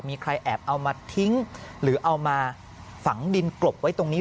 มีใครแอบเอามาทิ้งหรือเอามาฝังดินกลบไว้ตรงนี้